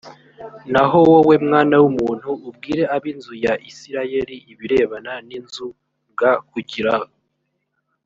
naho wowe mwana w umuntu ubwire ab inzu ya isirayeli ibirebana n inzu g kugira